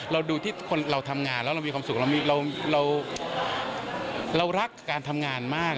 เราดูที่คนเราทำงานแล้วเรามีความสุขเรารักการทำงานมาก